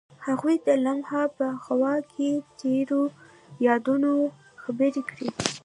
هغوی د لمحه په خوا کې تیرو یادونو خبرې کړې.